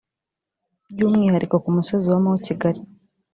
by’umwihariko ku musozi wa Mont Kigali